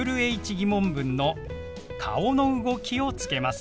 −疑問文の顔の動きをつけます。